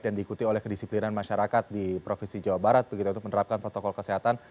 dan diikuti oleh kedisiplinan masyarakat di provinsi jawa barat begitu itu menerapkan protokol kesehatan